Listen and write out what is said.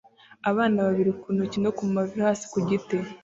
Abana babiri ku ntoki no ku mavi hasi ku giti